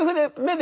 で